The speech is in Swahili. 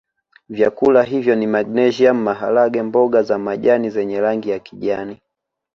Vyakula hivyo ni magnesium maharage mboga za majani zenye rangi ya kijani